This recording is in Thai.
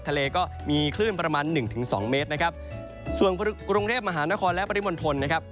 ทะเลก็มีคลื่นประมาณหนึ่งถึงสองเมตรนะครับส่วนกรุงเทพมหานครและปริมณฑลนะครับ